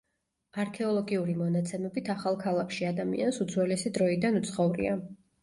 არქეოლოგიური მონაცემებით ახალქალაქში ადამიანს უძველესი დროიდან უცხოვრია.